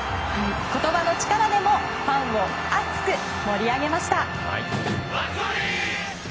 言葉の力でもファンを熱く盛り上げました。